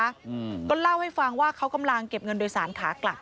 อืมก็เล่าให้ฟังว่าเขากำลังเก็บเงินโดยสารขากลับ